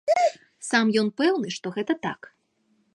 Сам ён пэўны, што гэта так.